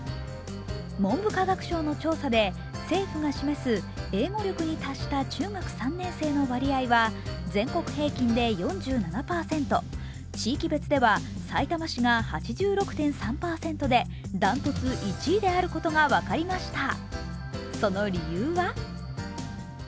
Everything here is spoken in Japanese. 文部科学省の調査で政府が示す英語力に達した中学３年生の割合は全国平均で４７％、地域別ではさいたま市が８６．３％で断トツ１位であることが分かりました。